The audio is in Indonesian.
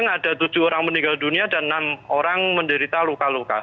ada tujuh orang meninggal dunia dan enam orang menderita luka luka